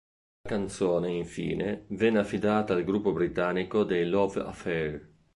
La canzone, infine, venne affidata al gruppo britannico dei Love Affair.